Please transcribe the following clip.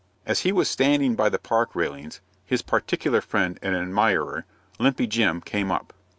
As he was standing by the park railings, his particular friend and admirer, Limpy Jim, came up.